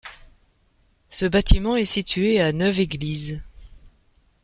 Ce bâtiment est situé à Neuve-Église.